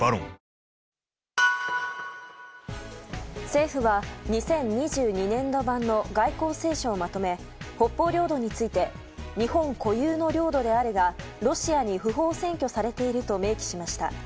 政府は２０２２年度版の外交青書をまとめ北方領土について日本固有の領土であるがロシアに不法占拠されていると明記しました。